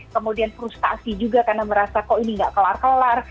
kemudian frustasi juga karena merasa kok ini nggak kelar kelar